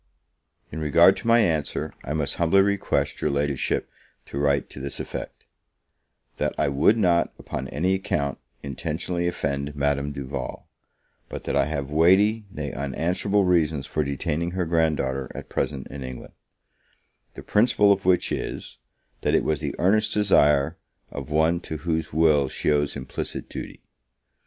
In regard to my answer, I must humbly request your Ladyship to write to this effect: "That I would not, upon any account, intentionally offend Madame Duval; but that I have weighty, nay unanswerable reasons for detaining her grand daughter at present in England; the principal of which is, that it was the earnest desire of one to whose will she owes implicit duty.